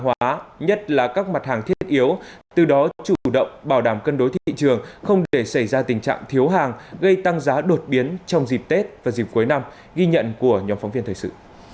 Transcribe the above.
hóa nhất là các mặt hàng thiết yếu từ đó chủ động bảo đảm cân đối thị trường không để xảy ra tình trạng thiếu hàng gây tăng giá đột biến trong dịp tết và dịp cuối năm ghi nhận của nhóm phóng viên thời sự